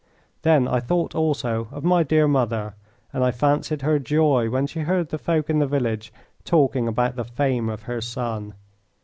Then I thought also of my dear mother, and I fancied her joy when she heard the folk in the village talking about the fame of her son.